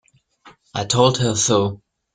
I told her so.